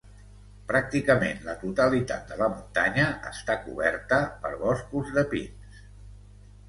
Pràcticament la totalitat de la muntanya està coberta per boscs de pins.